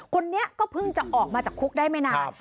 คนนี้ก็เพิ่งจะออกมาจากคุกได้ไม่นาน